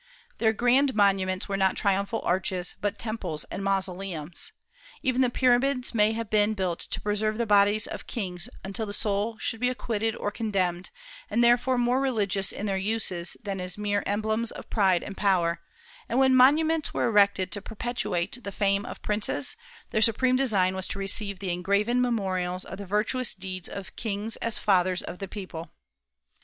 Their grand monuments were not triumphal arches, but temples and mausoleums. Even the pyramids may have been built to preserve the bodies of kings until the soul should be acquitted or condemned, and therefore more religious in their uses than as mere emblems of pride and power; and when monuments were erected to perpetuate the fame of princes, their supreme design was to receive the engraven memorials of the virtuous deeds of kings as fathers of the people.